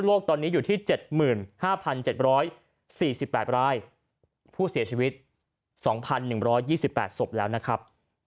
ตอนนี้อยู่ที่๗๕๗๔๘รายผู้เสียชีวิต๒๑๒๘ศพแล้วนะครับ